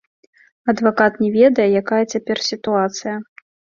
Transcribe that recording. Адвакат не ведае, якая цяпер сітуацыя.